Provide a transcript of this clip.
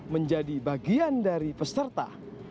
menjadi bagian dari peserta